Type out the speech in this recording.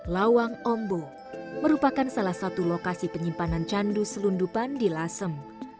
lawang ombo merupakan salah satu lokasi penyimpanan candu selundupan di lasem